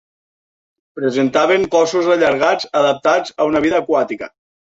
Presentaven cossos allargats adaptats a una vida aquàtica.